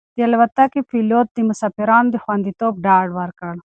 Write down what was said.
د الوتکې پېلوټ د مسافرانو د خوندیتوب ډاډ ورکړ.